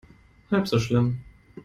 Halb so schlimm.